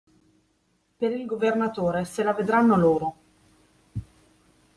Per il Governatore, se la vedranno loro.